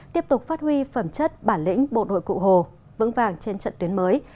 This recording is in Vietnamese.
tiếp tục phát huy phẩm chất bản lĩnh bộ đội cụ hồ vững vàng trên trận tuyến mới